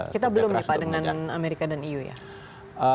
kita belum nih pak dengan amerika dan eu ya